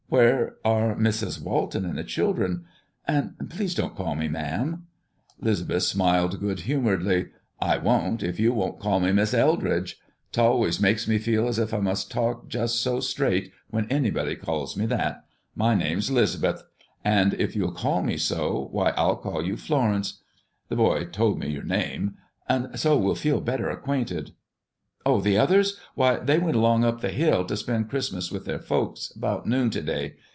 "Where are Mrs. Walton and the children? And please don't call me ma'am." 'Lisbeth smiled good humoredly: "I won't, if you won't call me 'Mis' Eldridge.' 'T always makes me feel 's if I must talk just so straight when anybody calls me that. My name's 'Lisbeth; and if you'll call me so, why, I'll call you Florence, the boy told me your name, and so we'll feel better acquainted. Oh, the others? Why, they went along up t' the Hill, to spend Christmas with their folks, about noon to day.